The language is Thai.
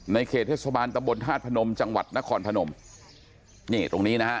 เขตเทศบาลตะบนธาตุพนมจังหวัดนครพนมนี่ตรงนี้นะฮะ